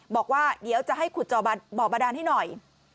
บอกว่าเดี๋ยวจะให้ขุดจอบ่อบาดานให้หน่อย